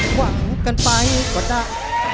หวังกันไปก็ได้